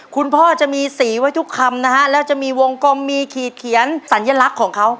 คุณพ่อจะมีสีไว้ทุกคำนะฮะแล้วจะมีวงกลมมีขีดเขียนสัญลักษณ์ของเขา